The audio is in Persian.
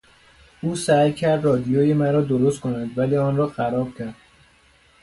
او سعی کرد رادیوی مرا درست کند ولی آن را خراب کرد.